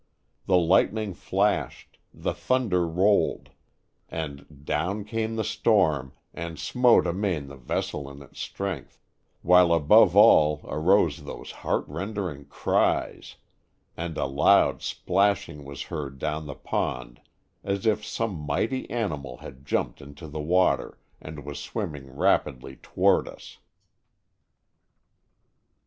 The lightning flashed, the thunder rolled, and "down came the storm and smote amain the vessel in its strength," while above all arose those heartrending cries, and a loud splashing 51 Stories from the Adirondack^. was heard down the pond as if some mighty animal had jumped into the water and was swimming rapidly to ward us.